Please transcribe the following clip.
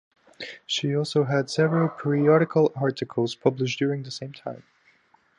She also had several periodical articles published during the same time.